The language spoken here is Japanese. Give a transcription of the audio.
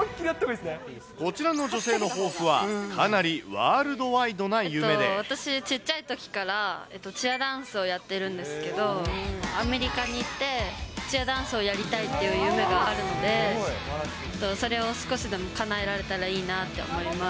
こちらの女性の抱負は、私、ちっちゃいときから、チアダンスをやってるんですけど、アメリカに行って、チアダンスをやりたいっていう夢があるので、それを少しでもかなえられたらいいなって思います。